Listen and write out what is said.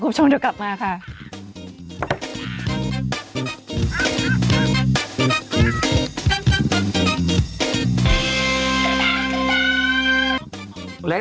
คุณผู้ชมเดี๋ยวกลับมาค่ะ